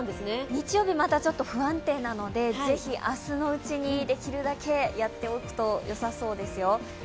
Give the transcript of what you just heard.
日曜日またちょっと不安定なのでぜひ明日のうちにできるだけやっておくとよさそうですよ。